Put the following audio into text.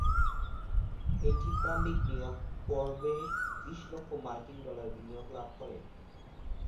এটি প্রারম্ভিক বিনিয়োগ পর্বে বিশ লক্ষ মার্কিন ডলার বিনিয়োগ লাভ করে।